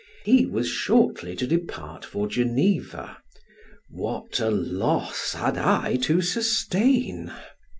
He was shortly to depart for Geneva; what a loss had I to sustain!